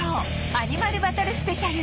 アニマルバトルスペシャル